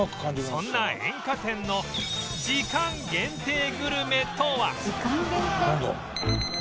そんな円果天の時間限定グルメとは